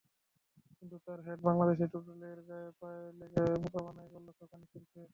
কিন্তু তাঁর হেড বাংলাদেশের টুটুলের পায়ে লেগে বোকা বানায় গোলরক্ষক আনিসুরকে।